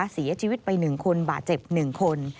เสียชีวิตไป๑คนบาดเจ็บ๑คน